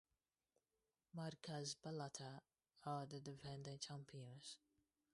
Markaz Balata are the defending champions.